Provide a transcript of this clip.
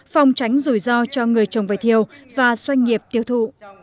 phòng tránh rủi ro cho người trồng vải thiều và doanh nghiệp tiêu thụ